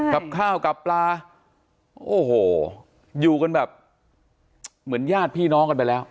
กับข้าวกับปลาโอ้โหอยู่กันแบบเหมือนญาติพี่น้องกันไปแล้ว